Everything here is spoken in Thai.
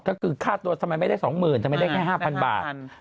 ก็คือค่าตัวทำไมไม่ได้๒๐๐๐ทำไมได้แค่๕๐๐บาท